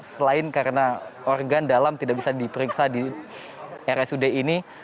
selain karena organ dalam tidak bisa diperiksa di rsud ini